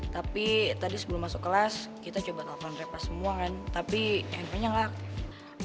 tapi tadi sebelum masuk kelas kita coba lakukan repres semua kan tapi handphonenya nggak aktif